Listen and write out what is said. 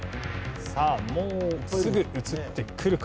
さあもうすぐ映ってくるか？